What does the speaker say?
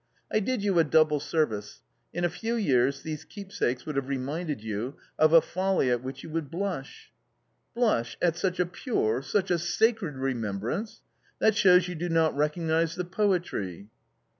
I did you a double service. In a few years these keepsakes would have reminded you of a folly at which you would blush!" "Blush at such a pure, such a sacred remembrance? That shows you do not recognise the poetry."